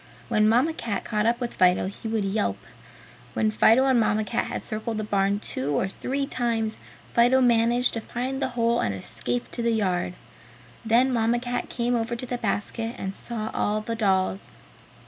When Mamma Cat caught up with Fido he would yelp. When Fido and Mamma Cat had circled the barn two or three times Fido managed to find the hole and escape to the yard; then Mamma Cat came over to the basket and saw all the dolls.